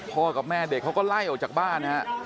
กับแม่เด็กเขาก็ไล่ออกจากบ้านนะฮะ